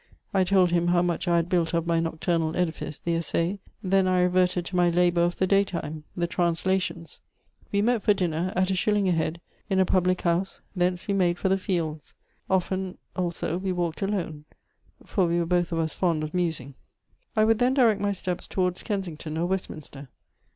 I told him how much I had built of my nocturnal edifice, the Essai; then I reverted to my labour of the daytime, the translations. We met for dinner, at a shilling a head, in a public house; thence we made for the fields. Often also we walked alone, for we were both of us fond of musing. I would then direct my steps towards Kensington or Westminster.